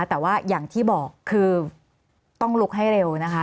แต่ว่าอย่างที่บอกคือต้องลุกให้เร็วนะคะ